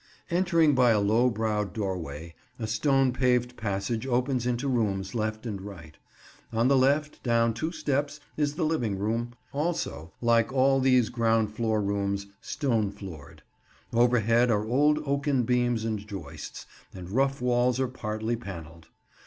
Entering by a low browed doorway, a stone paved passage opens into rooms right and left. On the left, down two steps, is the living room, also, like all these ground floor rooms, stone floored. Overhead are old oaken beams and joists, and the rough walls are partly panelled.